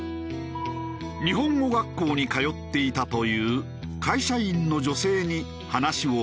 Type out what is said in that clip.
日本語学校に通っていたという会社員の女性に話を聞いた。